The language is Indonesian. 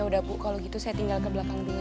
udah bu kalau gitu saya tinggal ke belakang dulu